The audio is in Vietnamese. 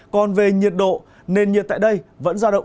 còn về nhiệt độ nền nhiệt tại đây vẫn giao động